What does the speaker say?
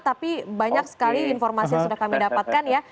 tapi banyak sekali informasi yang sudah kami dapatkan ya